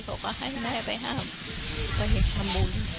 เขาก็ให้แม่ไปหาเขาเดามาเห็นทำบุญ